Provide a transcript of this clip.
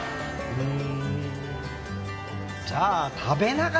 うん。